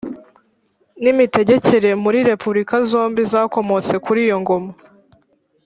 n'imitegekere muri repubulika zombi zakomotse kuri iyo ngoma